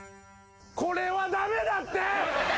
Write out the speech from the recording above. これは駄目だって！